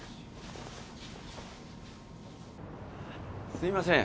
すいません。